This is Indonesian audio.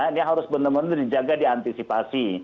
ini harus benar benar dijaga diantisipasi